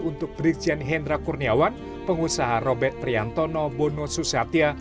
untuk brigjen hendra kurniawan pengusaha robert priantono bono susatya